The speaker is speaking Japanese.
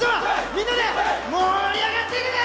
みんなで盛り上がっていくで！